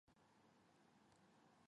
盘菌科是真菌下的一个科。